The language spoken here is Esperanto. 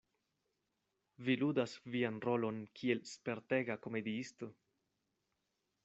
Vi ludas vian rolon kiel spertega komediisto.